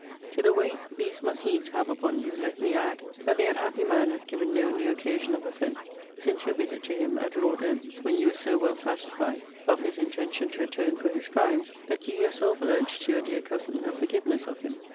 To the weight these must needs have upon you, let me add, that the unhappy man has given no new occasion of offence, since your visit to him at Lord M.'s, when you were so well satisfied of his intention to atone for his crimes, that you yourself urged to your dear cousin her forgiveness of him.